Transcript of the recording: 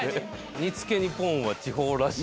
煮つけにポン‼は地方らしい。